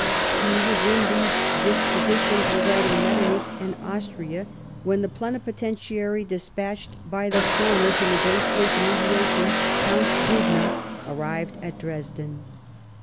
He was in these dispositions regarding Metternich and Austria when the plenipotentiary despatched by the former to nego tiate the mediation, Count Bubna, arrived at Dresden.